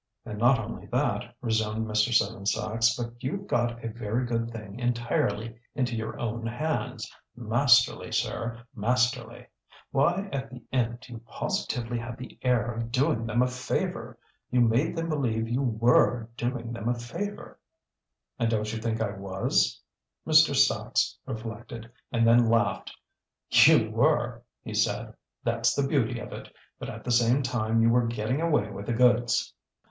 "And not only that," resumed Mr. Seven Sachs, "but you've got a very good thing entirely into your own hands! Masterly, sir! Masterly! Why, at the end you positively had the air of doing them a favour! You made them believe you were doing them a favour." "And don't you think I was?" Mr. Sachs reflected, and then laughed. "You were," he said. "That's the beauty of it. But at the same time you were getting away with the goods!"